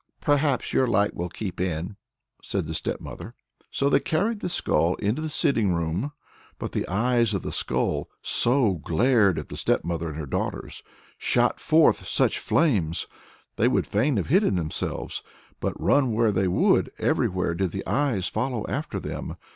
"Perhaps your light will keep in!" said the stepmother. So they carried the skull into the sitting room. But the eyes of the skull so glared at the stepmother and her daughters shot forth such flames! They would fain have hidden themselves, but run where they would, everywhere did the eyes follow after them.